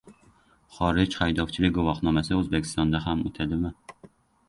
Xorij haydovchilik guvohnomasi O‘zbekistonda ham o‘tadimi?